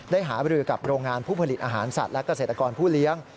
หาบรือกับโรงงานผู้ผลิตอาหารสัตว์และเกษตรกรผู้เลี้ยง